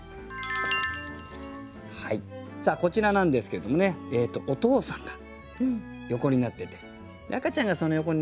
さあこちらなんですけれどもねお父さんが横になってて赤ちゃんがその横に寝てますね。